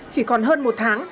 chỉ còn hơn một tháng